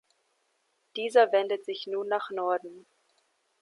Dieser wendet sich nun nach Norden.